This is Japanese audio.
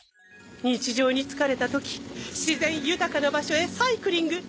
日常に疲れたとき自然豊かな場所へサイクリング。